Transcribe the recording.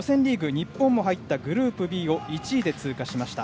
日本も入ったグループＢを１位で通過しました。